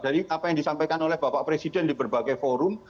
dari apa yang disampaikan oleh bapak presiden di berbagai forum